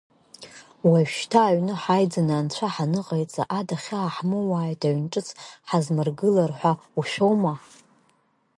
Уажәшьҭа аҩны ҳаиӡаны анцәа ҳаныҟаиҵа, ада хьаа ҳмоуааит, аҩн ҿыц ҳазмыргылар ҳәа ушәома.